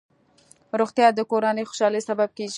روغتیا د کورنۍ خوشحالۍ سبب کېږي.